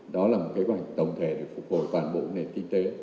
đó là một kế hoạch tổng thể để phục hồi toàn bộ nền kinh tế